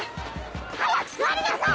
早く座りなさい！